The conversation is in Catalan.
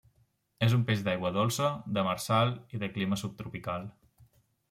És un peix d'aigua dolça, demersal i de clima subtropical.